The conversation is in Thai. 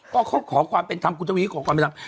ก็เขาขอความเป็นธรรมคุณทวีขอความเป็นธรรม